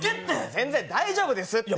全然大丈夫ですって。